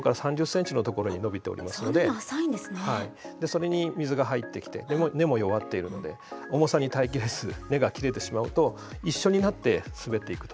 それに水が入ってきて根も弱っているので重さに耐え切れず根が切れてしまうと一緒になって滑っていくと。